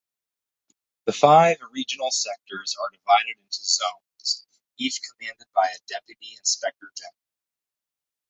The five regional Sectors are divided into Zones, each commanded by a Deputy Inspector-General.